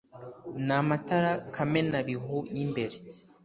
ni amatara kamenabihu y’imbere